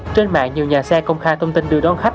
trên mạng nhiều nhà xe công khai thông tin đưa đón khách